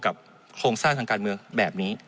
โครงสร้างทางการเมืองแบบนี้